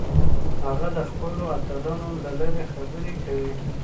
هغه د خپلو اتلانو له لارې خبرې کوي.